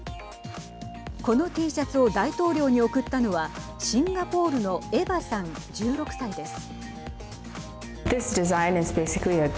このＴシャツを大統領に贈ったのはシンガポールのエヴァさん、１６歳です。